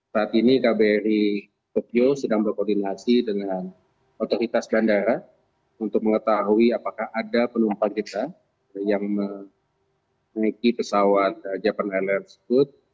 saat ini kbri tokyo sedang berkoordinasi dengan otoritas bandara untuk mengetahui apakah ada penumpang kita yang memiliki pesawat japan airlines tersebut